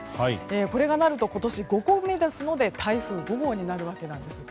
これがなると今年５個目ですので台風５号になるわけなんです。